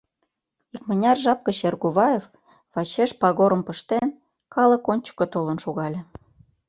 Икмыняр жап гыч Эргуваев, вачеш пагорым пыштен калык ончыко толын шогале.